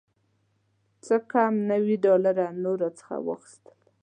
څه کم نوي ډالره یې نور راڅخه واخیستل.